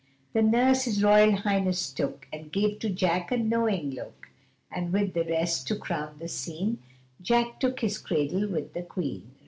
The nurse his Royal Highness took, And gave to Jack a knowing look And with the rest, to crown the scene, Jack took his caudle with the Queen!